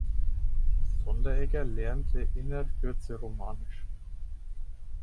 Sonderegger lernte innert Kürze romanisch.